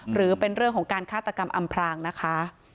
หรือเป็นเรื่องของการฆาตกรรมอำพรางนะคะ